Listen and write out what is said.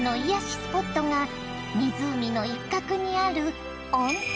スポットが湖の一角にある温泉！